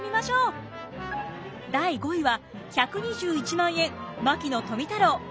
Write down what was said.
第５位は１２１万円牧野富太郎。